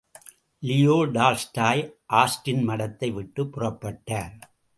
Leo Tolstoy, ஆஷ்டின் மடத்தை விட்டுப் புறப்பட்டார்!